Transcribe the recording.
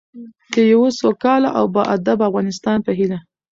د یوه سوکاله او باادبه افغانستان په هیله.